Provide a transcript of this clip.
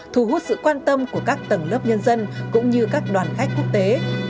thu hút sự quan tâm của các tầng lớp nhân dân cũng như các đoàn khách quốc tế